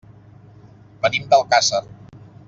Venim d'Alcàsser.